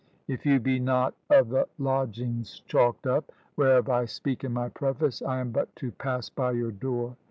If you be not of the lodgings chalked up, whereof I speak in my preface, I am but to pass by your door.